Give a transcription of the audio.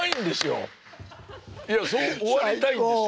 いやそう終わりたいんです。